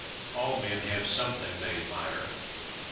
All men have something they admire.